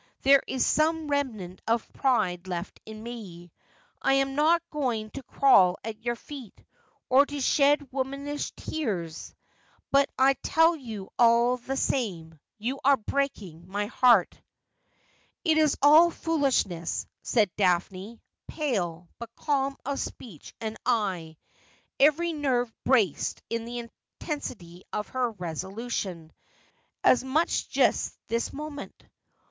There is some remnant of pride left in me. I am not going to crawl at your feet, or to shed womanish tears. But I tell you all the same, you are breaking my heart.' ' It is all foolishness,' said Daphne, pale, but calm of speech and eye, every nerve braced in the intensity of her resolution. ' It is folly and madness from beginning to end. You confessed as much just this moment.